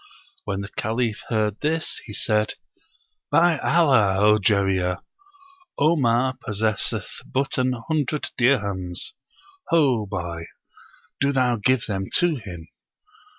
When the Caliph heard this, he said, "By Allah, O Jarir! Omar possesseth but an hundred dirhams. Ho boy! do thou give them to him!"